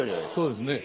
そうですね。